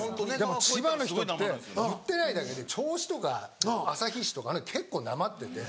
千葉の人って言ってないだけで銚子とか旭市とかあの辺結構なまってて。